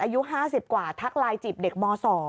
อายุ๕๐กว่าทักไลน์จีบเด็กม๒